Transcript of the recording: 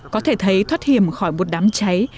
có thể thấy thoát hiểm khỏi một đám cháy